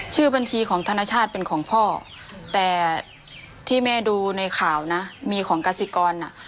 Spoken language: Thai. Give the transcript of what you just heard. ชื่อบัญชีของธนชาติเป็นของพ่อแต่ที่แม่ดูในข่าวนะมีของกสิกรอ่ะ